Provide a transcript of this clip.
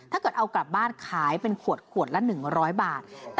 ถ้าเกิดเอากลับบ้านขายเป็นขวดขวดละ๑๐๐บาท